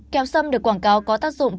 kẹo xâm được quảng cáo có tác dụng